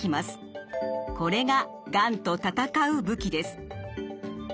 これががんと戦う武器です。